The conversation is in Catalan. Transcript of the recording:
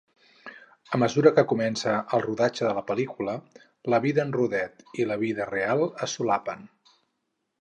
A mesura que comença el rodatge de la pel·lícula, la vida en rodet i la vida real es solapen.